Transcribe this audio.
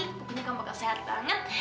seharusnya kamu bakal sehat banget